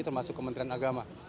termasuk kementerian agama